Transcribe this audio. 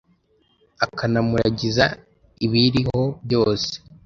akanamuragiza ibiyiriho byose